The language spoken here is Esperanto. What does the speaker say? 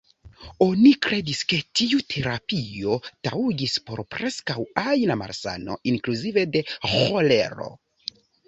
Oni kredis ke tiu terapio taŭgis por preskaŭ ajna malsano inkluzive de ĥolero.